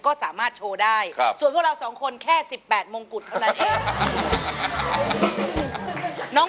ก็สามารถโชว์ได้ส่วนพวกเราสองคนแค่๑๘มงกุฎเท่านั้นเอง